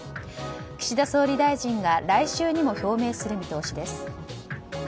岸田総理大臣が来週にも表明する見通しです。